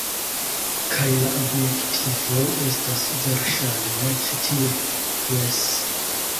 Kaj la objektivo estas, verŝajne, ĉi tie. Jes.